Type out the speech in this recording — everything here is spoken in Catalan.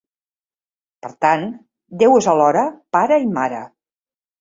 Per tant, Déu és alhora pare i mare.